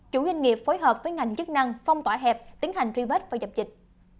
chủ doanh nghiệp phối hợp với ngành chức năng phong tỏa hẹp tiến hành truy vết và dập dịch